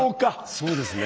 そうですね。